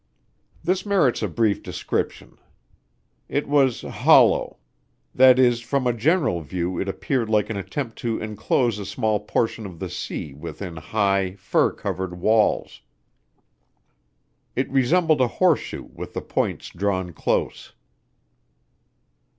This merits a brief description. It was hollow. That is, from a general view it appeared like an attempt to inclose a small portion of the sea within high, fir covered walls. It resembled a horseshoe with the points drawn close.